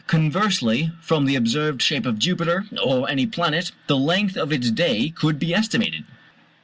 Conversely, from the observed shape of Jupiter, or any planet, the length of its day could be estimated.